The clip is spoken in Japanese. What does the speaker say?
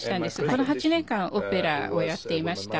この８年間オペラをやっていました。